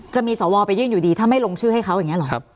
จะมีสวไปยื่นอยู่ดีถ้าไม่ลงชื่อให้เขาอย่างนี้หรอ